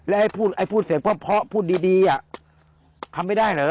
และพูดเสร็จเพราะพ่อพูดดีทำไม่ได้เหรอ